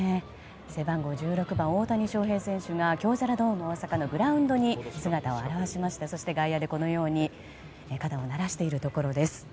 背番号１６番、大谷翔平選手が京セラドーム大阪のグラウンドに姿を現しまして、外野で肩をならしているところです。